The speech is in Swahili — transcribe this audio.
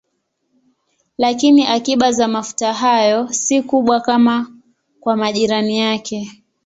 Lakini akiba za mafuta hayo si kubwa kama kwa majirani yake.